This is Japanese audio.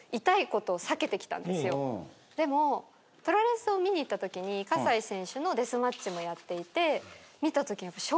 でもプロレスを見に行ったときに西選手のデスマッチもやっていて。